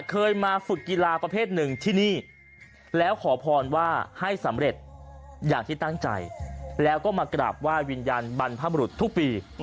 เคยมาฝึกกีฬาประเภทหนึ่งที่นี่แล้วขอพรว่าให้สำเร็จอย่างที่ตั้งใจแล้วก็มากราบไหว้วิญญาณบรรพบรุษทุกปี